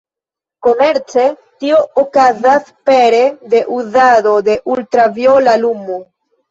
Komerce, tio okazas pere de uzado de ultraviola lumo.